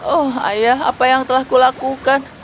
oh ayah apa yang telah kulakukan